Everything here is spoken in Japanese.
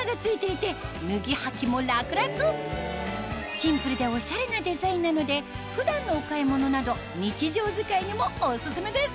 シンプルでおしゃれなデザインなので普段のお買い物など日常使いにもオススメです